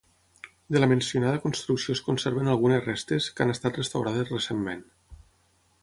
De la mencionada construcció es conserven algunes restes, que han estat restaurades recentment.